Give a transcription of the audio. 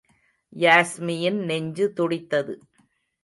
யாஸ்மியின் நெஞ்சு துடித்தது.